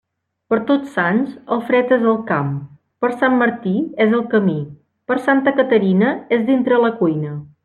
Per Tots Sants, el fred és al camp; per Sant Martí, és al camí; per Santa Caterina, és dintre la cuina.